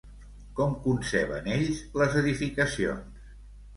Com conceben, ells, les edificacions?